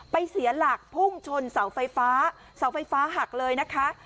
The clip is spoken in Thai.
เสียหลักพุ่งชนเสาไฟฟ้าเสาไฟฟ้าหักเลยนะคะ